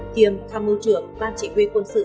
kiêm tham mưu trưởng ban chỉ huy quân sự